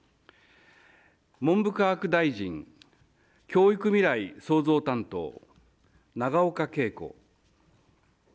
文部科学大臣、教育未来創造担当、永岡桂子。